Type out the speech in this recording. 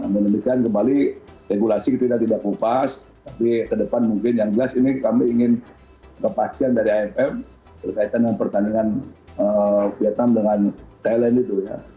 menunjukkan kembali regulasi kita tidak kupas tapi ke depan mungkin yang jelas ini kami ingin kepastian dari aff berkaitan dengan pertandingan vietnam dengan thailand itu ya